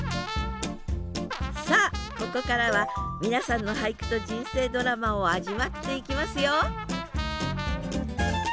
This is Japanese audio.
さあここからは皆さんの俳句と人生ドラマを味わっていきますよ